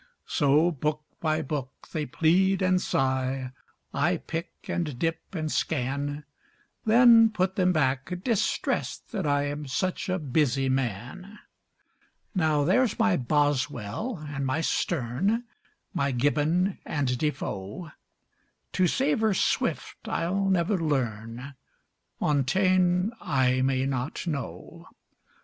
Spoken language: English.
So book by book they plead and sigh; I pick and dip and scan; Then put them back, distressed that I Am such a busy man. Now, there's my Boswell and my Sterne, my Gibbon and Defoe; To savor Swift I'll never learn, Montaigne I may not know.